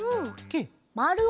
まる？